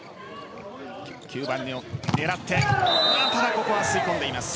ここは吸い込んでいます。